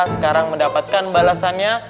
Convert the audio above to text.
sekarang mendapatkan balasannya